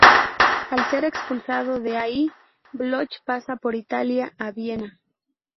Al ser expulsado de ahí, Bloch pasa por Italia a Viena.